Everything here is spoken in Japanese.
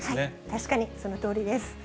確かにそのとおりです。